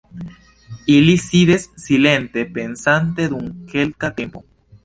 Ili sidis silente pensante dum kelka tempo.